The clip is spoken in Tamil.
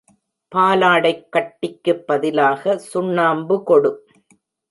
பாலாடைக்கட்டிக்கு பதிலாக சுண்ணாம்பு கொடு.